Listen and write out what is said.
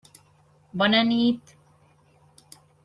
Bona nit.